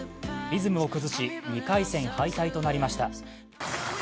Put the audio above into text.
リズムを崩し２回戦敗退となりました。